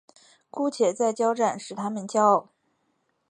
姑且再交战使他们骄傲。